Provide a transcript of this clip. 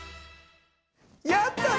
やったね！